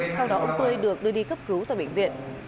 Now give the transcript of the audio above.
sau đó ông tươi được đưa đi cấp cứu tại bệnh viện